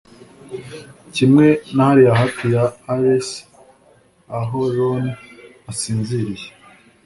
Kimwe na hariya hafi ya Arles aho Rhône asinziriye